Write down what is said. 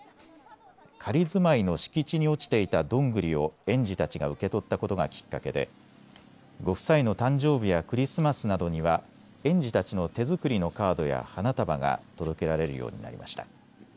仮住まいの敷地に落ちていたどんぐりを園児たちが受け取ったことがきっかけでご夫妻の誕生日やクリスマスなどには園児たちの手作りのカードや花束が届けられるようになりました。